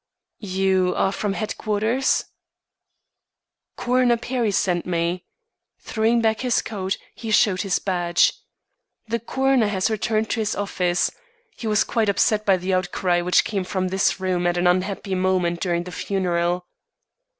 "You are from headquarters?" "Coroner Perry sent me." Throwing back his coat, he showed his badge. "The coroner has returned to his office. He was quite upset by the outcry which came from this room at an unhappy moment during the funeral."